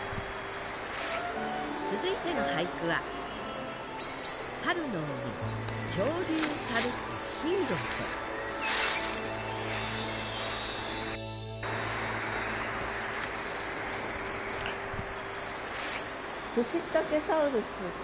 続いての俳句はプシッタケサウルスさん？